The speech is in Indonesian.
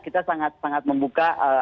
kita sangat sangat membuka